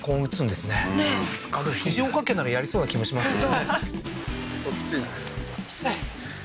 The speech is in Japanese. でも藤岡家ならやりそうな気もしますけどね